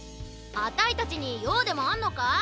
あたいたちにようでもあんのか？